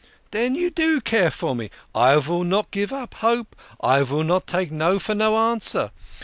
" Den you do care for me ! I vill not give up hope. I vill not take no for no answer.